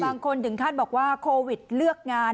บางคนถึงขั้นบอกว่าโควิดเลือกงาน